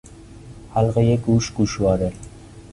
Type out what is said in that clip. حلقهی گوش، گوشواره